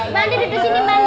mbak andin duduk sini mbak andin